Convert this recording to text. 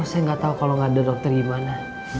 saya gak tau kalo gak ada dokter gimana